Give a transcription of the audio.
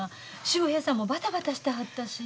秀平さんもバタバタしてはったし。